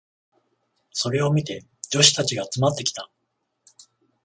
それを見て女子たちが集まってきた。